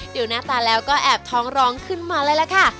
ดูหน้าตาแล้วก็แอบท้องร้องขึ้นมาเลยล่ะค่ะ